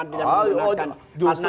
tidak menggunakan anad paduka di sana